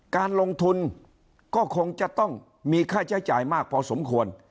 การลงทุนก็คงจะต้องมีค่าใช้จ่ายมากพอสมควร